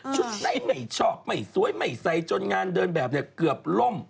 ชุดในใหม่ชอกใหม่สวยใหม่ใสจนงานเดินแบบเกือบล่ม